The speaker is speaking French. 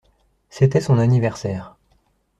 C’était son anniversaire.